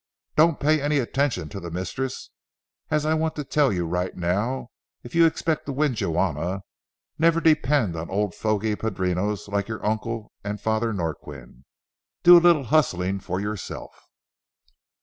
Don't pay any attention to the mistress, and I want to tell you right now, if you expect to win Juana, never depend on old fogy padrinos like your uncle and Father Norquin. Do a little hustling for yourself."